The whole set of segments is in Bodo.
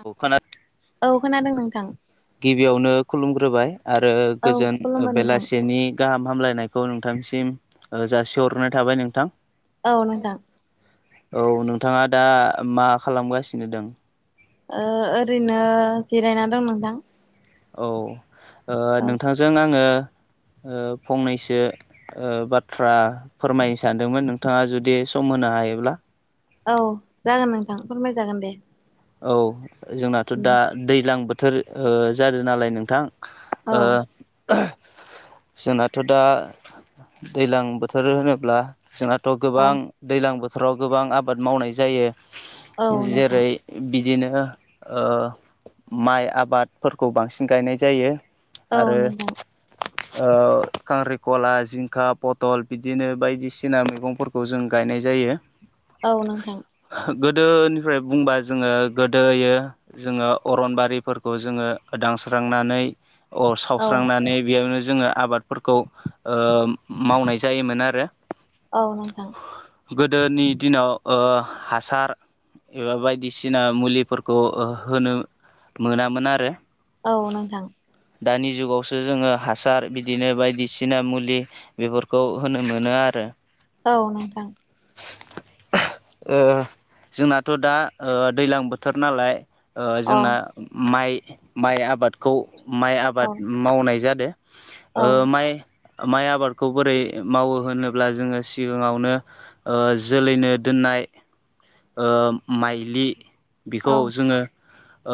खोना औ खोनादों नोंथां। गिबियावनो खुलुमग्रोबाय आरो औ गोजोन खुलुमबाय नोंथां बेलासेनि गाहाम हामलायनायखौ नोंथांसिम जासिहराय थाबाय नोंथां। औ नोंथां। औ नोंथाङा दा मा खालामगासिनो दों? ओरैनो जिरायना दं नोंथां। औ औ नोंथांजों आङो फंनैसो बाथ्रा फोरमायनो सानदोंमोन नोंथाङा जुदि सम होनो हायोब्ला। औ जागोन नोंथां फोरमायजागोन दे। औ जोंनाथ' उम दा दैज्लां बोथोर जादो नालाय नोंथां औ [inaudible] जोंनाथ' दा दैज्लां बोथोर होनोब्ला जोंहाथ' औ गोबां दैज्लां बोथोराव गोबां आबाद मावनाय जायो। औ नोंथां जेरै बिदिनो माइ आबादफोरखौ बांसिन गायनाय जायो। औ आरो नोंथां खांख्रिखला, जिंखा, पटल बिदिनो बायदिसिना मैगंफोर खौ जों गायनाय जायो। औ नोंथां। गोदोनिफ्राय बुंबा जोङो गोदोयो जोङो अरनबारिफोरखौ जोङो दानस्रांनानै अ औ सावस्रांनानै बेयावनो जोङो आबादफोरखौ ओ मावनाय जायोमोन आरो। औ नोंथां। गोदोनि दिनाव ओ हासार एबा बायदिसि दिना मुलिफोरखौ ओ होनो मोनामोन आरो। औ नोंथां। दानि जुगावसो जोङो हासार बिदिनो बायदिसिना मुलि बेफोरखौ होनो मोनो आरो। औ नोंथां। ओ जोंनाथ दा ओ दैलां बोथोर नालाय ओ औ जोंना माइ माइ आबादखौ माइ औ आबाद मावनाय जादों औ ओ माइ माइ आबादखौ बोरै मावो होनोब्ला जोङो सिगाङावनो। ओ जोलैनो दोननाय ओ माइ लि औ बेखौ जोङो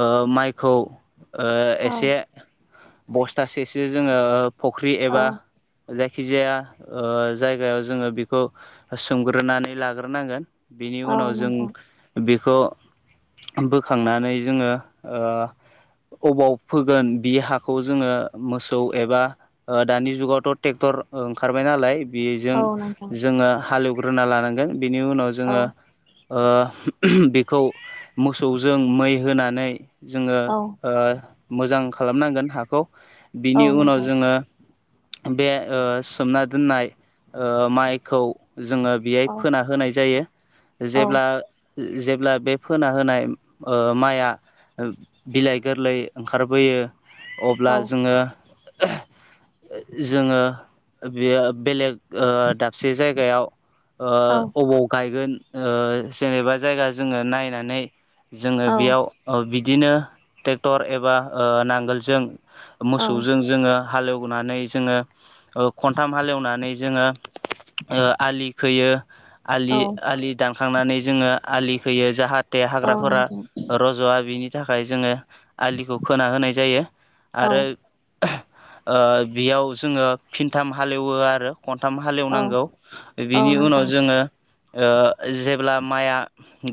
ओ माइखौ ओ एसे बस्थासेसो जोङो फुख्रि औ एबा जायखिजाया ओ जायगायाव जोङो बेखौ सोमग्रोनानै लाग्रोनांगोन। बेनि औ उनाव जों नोंथां बेखौ बोखांनानै जोङो ओ अबाव फोगोन बि हाखौ जोङो मोसौ एबा ओ दानि जुगावथ टेक्टर ओंखारबाय नालाय बेजों औ नोंथां जोङो हालेवग्रोना लानांगोन बेनि उनाव औ जोङो बेखौ मोसौजों मै होनानै जोङो औ ओ मोजां खालामनांगोन हाखौ औ बिनि उनाव नोंथां जोङो बे ओ सोमना दोननाय ओ माइखौ जोङो बेहाय औ फोना होनाय जायो औ जेब्ला जेब्ला बे फोना होनाय ओ माइआ बिलाइ गोरलै ओंखारबोयो अब्ला औ जोङो जोङो बेयो बेलेग दाबसे जायगायाव ओ औ अबाव गायगोन जेनेबा जायगा जोङो नायनानै जोङो औ औ बेयाव ओ बिदिनो ट्रेक्टर एबा ओ‌ नांगोलजों मोसौजों जोङो हालेवनानै जोङो ओ‌ खनथाम हालेवनानै जोङो ओ आलि फोयो औ आलि आलि दानखांनानै जोङो आलि फोयो जाहा थे हाग्राफोरा नोंथां रजआ बिनि थाखाय जोङो आलिखौ खोना होनाय जायो। औ आरो ओ बेयाव जोङो फिनथाम हालेवो आरो खनथाम औ हालेवनांगौ औ बिनि उनाव नोंथां जोङो ओ जेब्ला माइआ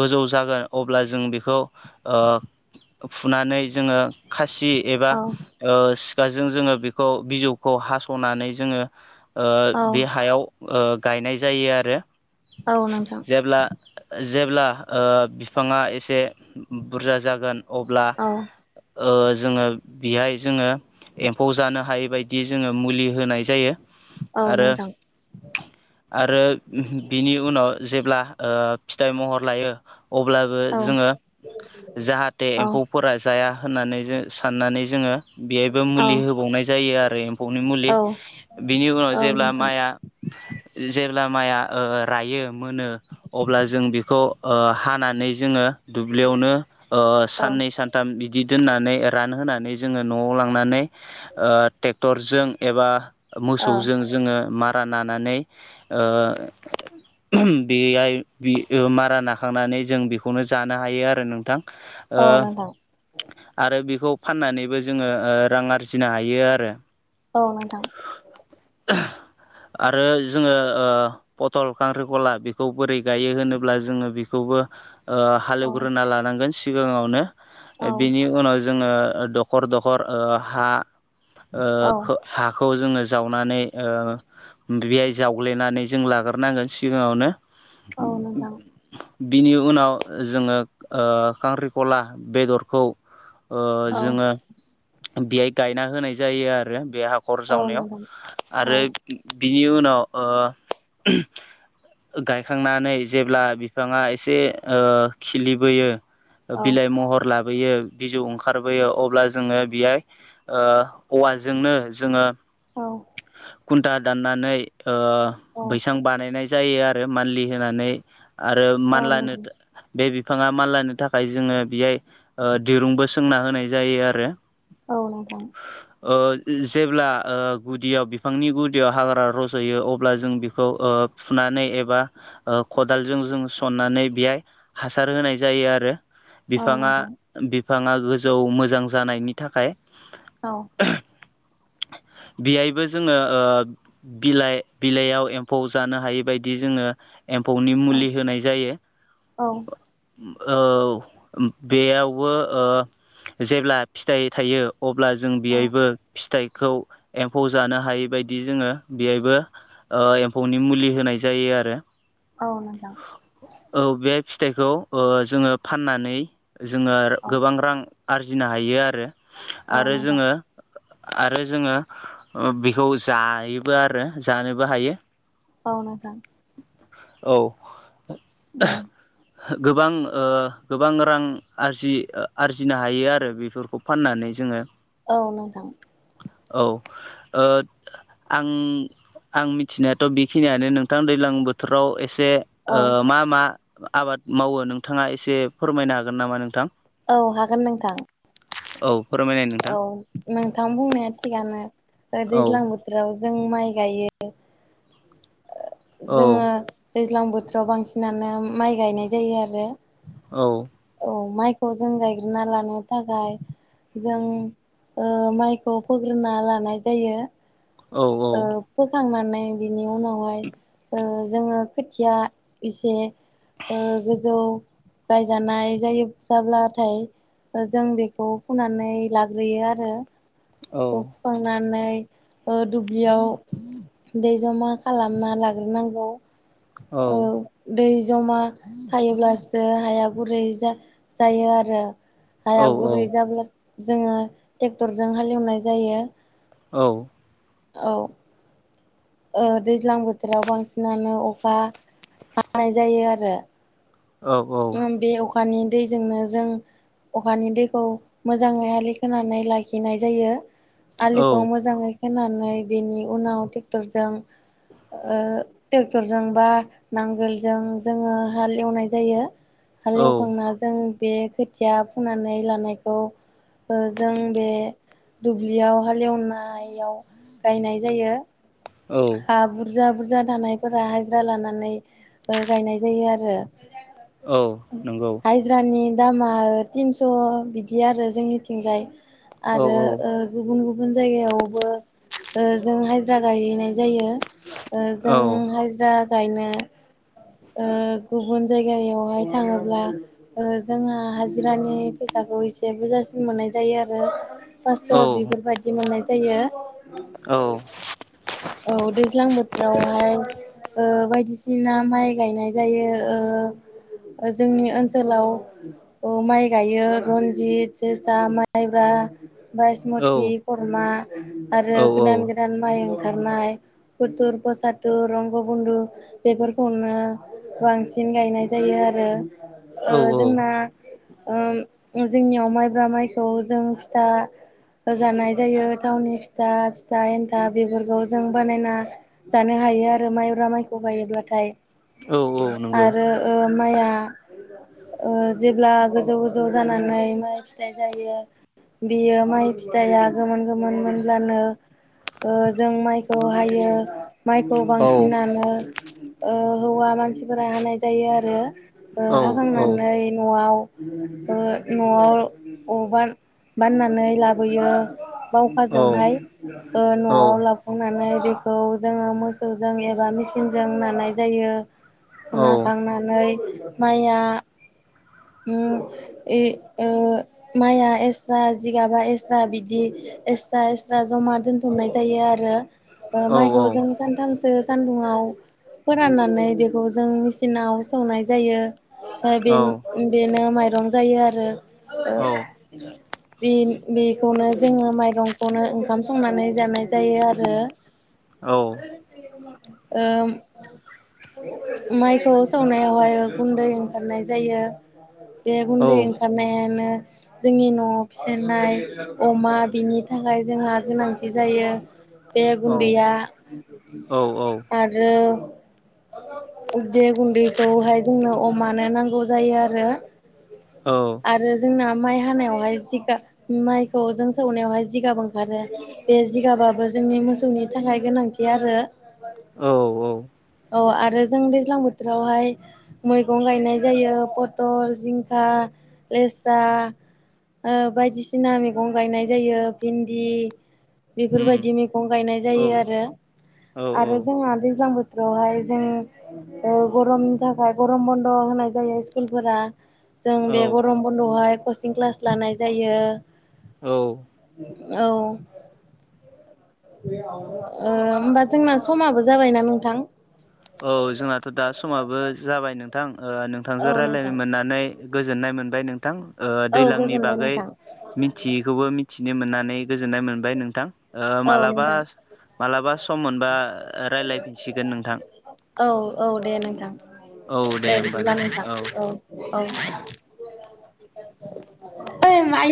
गोजौ जागोन अब्ला जों बेखौ ओ फुनानै जोङो खासि एबा औ ओ सिखाजों जोङो बेखौ बिजौखौ हासनानै जोङो ओ औ बे हायाव गायनाय जायो आरो। औ नोंथां। जेब्ला जेब्ला ओ बिफाङा एसे बुरजा जागोन अब्ला औ ओ जोङो बेहाय जोङो एम्फौ जानो हायि बायदि जोङो मुलि होनाय जायो। औ आरो नोंथां आरो बिनि उनाव जेब्ला ओ फिथाइ महर लायो अब्लाबो औ जोङो जाहाथे औ एम्फौ फोरा जाया होननानै जो साननानै जोङो बेहायबो औ मुलि होबावनाय जायो आरो एम्फौनि मुलि औ बिनि उनाव औ जेब्ला नोंथां माइआ जेब्ला माइया ओ रायो मोनो। अब्ला जों बेखौ ओ हानानै जोङो दुब्लियावनो ओ औ साननै सान [unintelligible] बिदि दोननानै रानहोनानै जोङो न'आव लांनानै ओ ट्रेक्टरजों एबा ओ मोसौजों जोङो मारा नानानै ओ बेहाय बि ओ मारा नाखांनानै जों बेखौनो जानो हायो आरो नोंथां ओ औ नोंथां आरो बेखौ फाननानैबो जोङो ओ रां आरजिनो हायो आरो। औ नोंथां। [inaudible] आरो जोङो पथल खांख्रिखला बेखौ बोरै गायो होनोब्ला जोङो बेखौबो ओ औ हालेवग्रोना लानांगोन सिगाङावनो। औ बिनि उनाव जोङो दखर दखर ओ हा ओ औ खो हाखौ जोङो जावनानै ओ बेहाय जावग्लेनानै जों लाग्रोनांगोन सिगाङावनो। औ नोंथां बिनि उनाव जोङो ओ खांख्रिखला बेदरखौ ओ औ जोङो बेहाय गायना होनाय जायो आरो बे हर औ जावनायाव नोंथां आरो औ बिनि उनाव ओ गायखांना नै जेब्ला बिफाङा एसे खिलिबोयो बिलाय महर ला बोयो बिजौ ओंखारबोयो अब्ला जोङो बेहाय ओ औवाजोंनो जोङो औ। खुन्टा दाननानै ओ औ बैसां बानायनाय जायो आरो मानलि होनानै आरो औ नोंथां मानलानो बे बिफाङा मानलानो थाखाय जोङो बेहाय ओ दिरुंबो सोंना होनाय जायो आरो औ नोंथां। ओ जेब्ला ओ गुदियाव बिफांनि गुदियाव हाग्रा रज'यो अब्ला जों बे खौ ओ फुनानै एबा ओ खदालजों जों सननानै बेहाय हासार होनाय जायो आरो। औ बिफाङा बिफाङा गोजौ मोजां जानायनि थाखाय। औ। बिहायबो जोङो ओ बिलाइ बिलाइयाव एम्फौ जानो हायै बायदि जोङो एम्फौनि औ मुलि होनाय जायो। औ नोंथां औ नोंथां औ औ बेयावबो ओ जेब्ला फिथाइ थायो अब्ला जों बियाइबो फिथाइखौ एम्फौ जानो हायिबायदि जोङो बिहायबो एम्फौनि मुलि होनाय जायो आरो। औ नोंथां। औ बे फिथाइखौ ओ जोङो फाननानै जोङो गोबां रां आरजिनो हायो आरो औ आरो जोङो आरो जोङो बेखौ जायोबो आरो जानोबो हायो। औ नोंथां। औ। गोबां ओ गोबां रां आरजि आरजिनो हायो आरो बेफोर खौ फाननानै जोङो। औ नोंथां। औ ओ आं आं मिथिनायाथ' बेखिनियानो नोंथां दैज्लां बो बोथोराव एसे ओ औ मा मा आबाद मावो नोंथाङा एसे फोरमायनो हागोन नामा नोंथां? औ हागोन नोंथां। औ। फोरमायनाय नोंथां औ नोंथां बुंनाया थिगानो दा औ दैज्लां बो जेराव जों माइ गायो। औ जोङो दैज्लां बोथोराव बांसिनानो माइ गायनाय जायो आरो। औ। औ माइखौ जों गायग्रोना लानो थाखाय जों ओ माइखौ फोग्रोना लानाय जायो। औ ओ फोखांनानै बिनि उनावहाय जोङो खोथिया एसे ओ गोजौ गायजानाय जायो जाब्लाथाय ओ जों बेखौ फुनानै लाग्रोयो आरो। औ खौ फुखांनानै ओ दुब्लियाव दै जमा खालामना लाग्रोनांगौ। औ। दै जमा थायोब्लासो हाया गुरै जा जायो आरो। औ हाया गुरै जाब्ला जोङो ट्रेक्टरजों हालेवनाय जायो। औ। औ। ओ दैज्लां बोथोराव बांसिनानो अखा हानाय जायो आरो। बे अखानि दैजोंनो जों अखानि दैखौ मोजाङै आलि खोनानै लाखिनाय जायो। आलिखौ मोजाङै खोनानै बेनि उनाव ट्रेक्टरजों ओ ट्रेक्टरजों बा नांगोलजों जोङो हाल एवनाय जायो। औ हालेवखांना जों बे खोथिया फुनानै लानायखौ ओ जों बे दुब्लियाव हालेवनायाव गायनाय जायो। औ औ हा बुरजा बुरजा थानायफोरा हाजिरा लानानै ओ गायनाय जायो आरो। औ [unintelligible] नंगौ हाजिरानि दामा तिनस' बिदि आरो जोंनिथिंजाय औ आरो औ ओ गुबुन गुबुन जायगायावबो ओ जों हाजिरा गायहैनाय जायो। जों औ हाजिरा गायनो गुबुन जायगायावहाय थाङोब्ला जोंहा हाजिरानि फैसाखौ एसे बुरजासिन मोननाय जायो आरो। औ पासस' बिफोरबायदि मोननाय जायो। औ। औ दैज्लां बोथोरावहाय ओ बायदिसिना माइ गायनाय जायो। ओ ओ जोंनि ओनसोलाव औ माइ गायो। रनजित, जोसा, माइब्रा, बाइसमति, खरमा औ आरो गोदान गोदान माइ ओंखारनाय। सुतथुर, फसातुर, रंग, बुन्दु बेफोरखौनो बांसिन गायनाय जायो आरो। औ ओ जोंना ओम जोंनियाव माइब्रा माइखौ जों फिथा जानाय जायो थावनि फिथा, फिथा एन्थाब, बेफोरखौ जों बानायना जानो हायो आरो माइब्रा माइखौ बायोब्लाथाय। नंगौ आरो ओ माइआ ओ जेब्ला गोजौ गोजौ जानानै माइ फिथाइ जायो बियो माइ फिथाइआ गोमोन गोमोन मोनब्लानो ओ जों माइखौ हायो। माइखौ औ बांसिनानो ओ हौवा मानसिफोरा हानाय जायो आरो। औ ओ औ हाखांनानै न'आव ओ न'आव अबेबा बाननानै लाबोयो बावखाजोंहाय औ ओ न'आव ला खांनानै बेखौ जोङो मोसौजों एबा मेचिनजों नानाय जायो। नाखांनानै माइया उम ए ओ माइआ एस्रा जिगाबा एस्रा बिदि एस्रा एस्रा जमा दोनथुमनाय जायो आरो। औ ओ औ माइखौ औ जों सानथामसो सान्दुंआव फोराननानै बेखौ जों मेचिनाव सौनाय जायो। ओफाय औ बे-बेनो माइरं जायो आरो। ओ बे-बेखौनो जोङो माइरंखौनो ओंखाम संनानै जानाय जायो आरो। औ। ओम माइखौ सौनायावहायो गुन्दै ओंखारनाय जायो। बे गुन्दै ओंखारनायानो जोंनि न'आव फिजानाय अमा बिनि थाखाय जोंहा गोनांथि थि जायो बे गुन्दैया औ आरो बे गुन्दैखौहाय जोंनो अमानो नांगौ जायो आरो। औ। आरो जोंना माइ हानायावहाय जिगा माइखौ जों सौनायावहाय जिगाब ओंखारो। बे जिगाबाबो जोंनि मोसौनि थाखाय गोनांथि आरो। औ औ। औ आरो जों दैज्लां बोथोरावहाय मैगं गायनाय जायो। पथल, जिंखा, लेस्रा ओ बायदिसिना मैगं गायनाय जायो भिन्दि उम बेफोरबायदि मैगं गायनाय औ जायो आरो। औ आरो जोंहा दैज्लां बोथ थोरावहाय जों ओ गरमनि थाखाय गरम बन्द' होनाय जायो स्कुलफोरा। जों बे गरम बन्द'आवहाय कचिं क्लास लानाय जायो। औ। औ। ओ होमबा जोंना समाबो जाबायना नोंथां? औ जोंनाथ' दा समाबो जाबाय नोंथां। ओ औ ोंथांजों रायलायनो नोंथां मोननानै गोजोननाय मोनबाय नोंथां ओ औ दैलांनि गोजोनबाय बागै नोंथां मिथियैखौबो मिथिनो मोननानै गोजोननाय मोनबाय नोंथां। ओ औ मालाबा नोंथां मालाबा सम मोनबा रायलायफिनसिगोन नोंथां। औ औ दे नोंथां दे बिदिब्ला नोंथां औ। औ। [unintelligible]